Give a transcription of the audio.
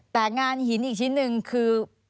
แต่งานหินอีกชิ้นหนึ่งคือ